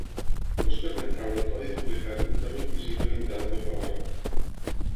No es permet treure el codi duplicat ni fer-lo invisible pintant-lo de color groc.